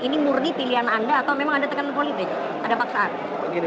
ini murni pilihan anda atau memang ada tekanan politik ada paksaan